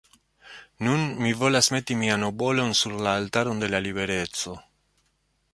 Nun mi volas meti mian obolon sur la altaron de la libereco.